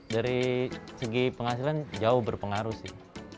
dari segi penghasilan jauh berpengaruh sih